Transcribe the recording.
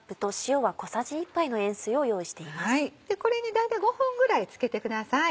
これに大体５分ぐらいつけてください。